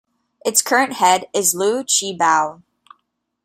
Its current head is Liu Qibao.